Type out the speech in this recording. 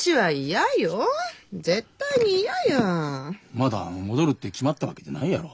まだ戻るって決まったわけでないやろ。